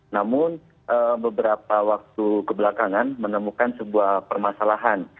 namun beberapa waktu kebelakangan menemukan sebuah permasalahan